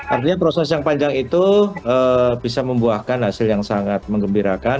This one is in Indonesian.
artinya proses yang panjang itu bisa membuahkan hasil yang sangat mengembirakan